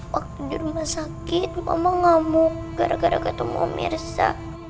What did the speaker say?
waktu di rumah sakit mama ngamuk gara gara ketemu mirza